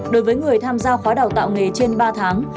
đối với người tham gia khóa đào tạo nghề trên ba tháng